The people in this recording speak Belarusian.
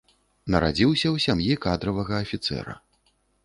Нарадзіўся ў сям'і кадравага афіцэра.